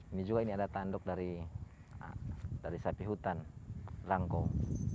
ini juga ini ada tanduk dari sapi hutan rangkong